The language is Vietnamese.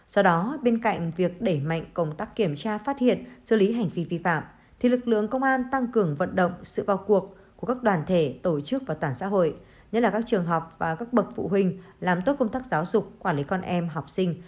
do đó bên cạnh việc đẩy mạnh công tác kiểm tra phát hiện xử lý hành vi vi phạm thì lực lượng công an tăng cường vận động sự vào cuộc của các đoàn thể tổ chức và toàn xã hội nhất là các trường học và các bậc phụ huynh làm tốt công tác giáo dục quản lý con em học sinh